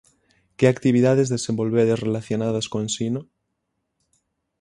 Que actividades desenvolvedes relacionadas co ensino?